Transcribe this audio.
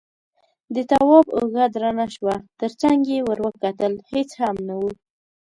د تواب اوږه درنه شوه، تر څنګ يې ور وکتل، هېڅ هم نه و.